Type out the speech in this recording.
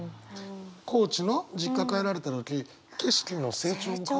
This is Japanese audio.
高知の実家帰られた時景色の成長。